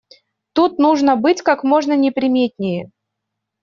Тут нужно быть как можно неприметнее.